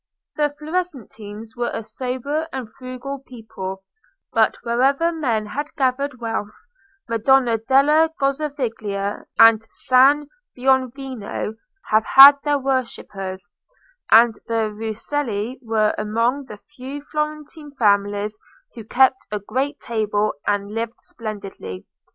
The Florentines were a sober and frugal people; but wherever men have gathered wealth, Madonna della Gozzoviglia and San Buonvino have had their worshippers; and the Rucellai were among the few Florentine families who kept a great table and lived splendidly.